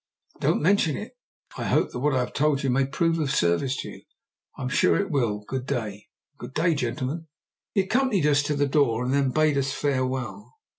"Don't mention it. I hope that what I have told you may prove of service to you." "I'm sure it will. Good day." "Good day, gentlemen." He accompanied us to the door, and then bade us farewell.